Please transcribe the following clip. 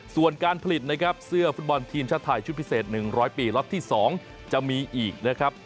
ส่วนการผลิตนะครับเสื้อฟุตบอลทีมชาติไทยชุดพิเศษ๑๐๐ปีล็อตที่๒จะมีอีกนะครับ